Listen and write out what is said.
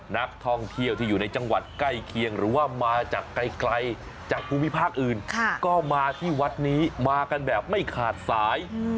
นักท่องเที่ยวที่อยู่ในจังหวัดใกล้เคียงหรือว่ามาจากไกลจากภูมิภาคอื่นก็มาที่วัดนี้มากันแบบไม่ขาดสาย